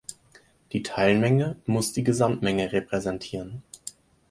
Die Teilmenge muss die Gesamtmenge repräsentieren.